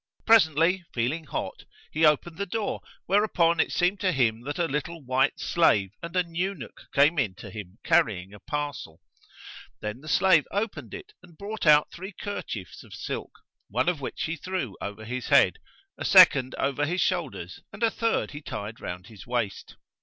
Presently, feeling hot he opened the door, whereupon it seemed to him that a little white slave and an eunuch came in to him carrying a parcel. Then the slave opened it and brought out three kerchiefs of silk, one of which he threw over his head, a second over his shoulders and a third he tied round his waist.